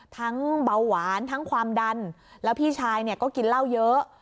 เบาหวานทั้งความดันแล้วพี่ชายเนี่ยก็กินเหล้าเยอะ